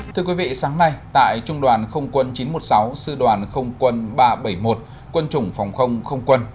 thưa quý vị sáng nay tại trung đoàn không quân chín trăm một mươi sáu sư đoàn không quân ba trăm bảy mươi một quân chủng phòng không không quân